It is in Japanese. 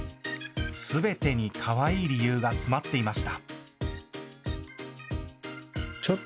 すべてにかわいい理由が詰まっていました。